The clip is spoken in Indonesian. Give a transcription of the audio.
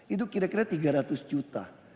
itu kira kira rp tiga ratus